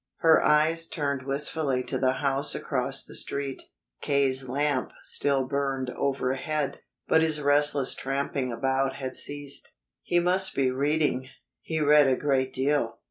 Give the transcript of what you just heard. Her eyes turned wistfully to the house across the Street. K.'s lamp still burned overhead, but his restless tramping about had ceased. He must be reading he read a great deal.